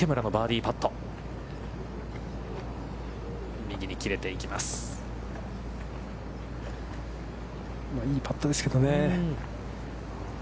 いいパットですけどね。